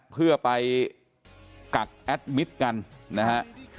เพื่อไปกักแอดมิตรกันนะฮะ